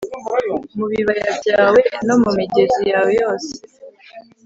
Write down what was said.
mu bibaya byawe no mu migezi yawe yose